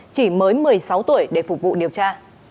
chỉ mới một mươi sáu tuổi để phục vụ điều tra